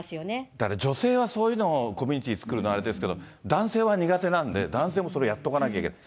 だから女性はそういうの、コミュニティ作るのあれですけど、男性は苦手なんで、男性もそれ、やっとかなきゃいけない。